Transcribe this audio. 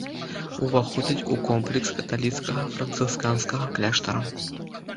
Уваходзіць у комплекс каталіцкага францысканскага кляштара.